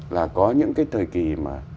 là có những cái thời kì mà